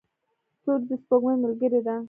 ستوري د سپوږمۍ ملګري دي.